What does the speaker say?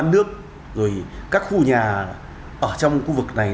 rồi các khu nhà ở trong khu vực này